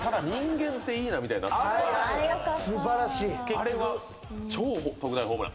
あれは超特大ホームラン。